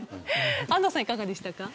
安藤さん、いかがでしたか。